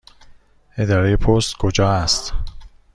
اداره پست کجا است؟